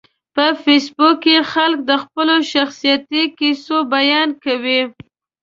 په فېسبوک کې خلک د خپلو شخصیتي کیسو بیان کوي